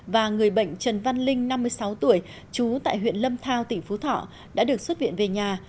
và người bệnh trần văn linh năm mươi sáu tuổi trú tại huyện lâm thao tỉnh phú thọ đã được xuất viện về nhà